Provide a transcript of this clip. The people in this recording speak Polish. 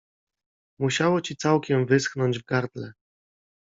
Musiało ci całkiem wyschnąć w gardle.